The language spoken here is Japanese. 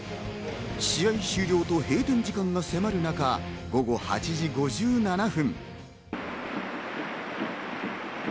試合終了と閉店時間が迫る中、午後８時５７分。